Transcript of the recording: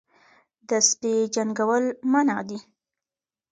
د سپي جنګول منع دي